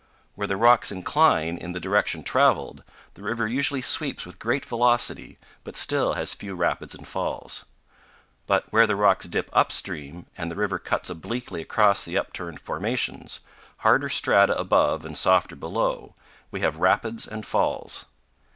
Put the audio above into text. Where the rocks incline in the direction traveled, the river usually sweeps with great velocity, but still has few rapids and falls. But where the rocks dip up stream and the river cuts obliquely across the upturned formations, harder strata above and softer below, we have rapids and falls.